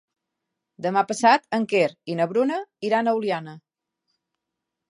Demà passat en Quer i na Bruna iran a Oliana.